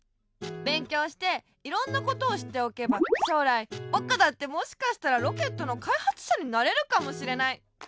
べんきょうしていろんなことをしっておけばしょうらいぼくだってもしかしたらロケットのかいはつしゃになれるかもしれない。